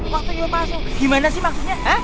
waktu yuk masuk gimana sih maksudnya